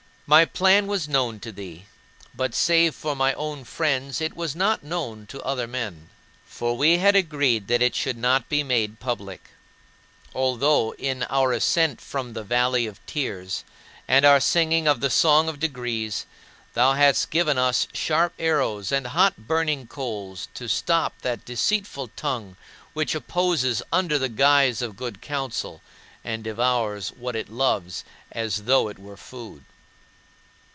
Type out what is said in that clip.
My plan was known to thee, but, save for my own friends, it was not known to other men. For we had agreed that it should not be made public; although, in our ascent from the "valley of tears" and our singing of "the song of degrees," thou hadst given us sharp arrows and hot burning coals to stop that deceitful tongue which opposes under the guise of good counsel, and devours what it loves as though it were food.